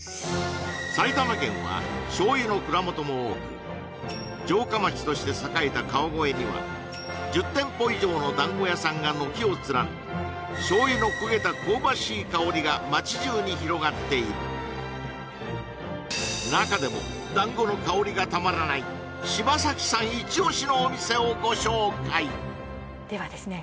埼玉県は醤油の蔵元も多く城下町として栄えた川越には１０店舗以上の団子屋さんが軒を連ね醤油の焦げた香ばしい香りが街じゅうに広がっている中でも団子の香りがたまらない芝崎さんイチオシのお店をご紹介ではですね